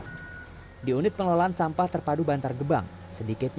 terus plastik yang dibuang ke tempat sampah menjadi peluang kehidupan bagi masyarakat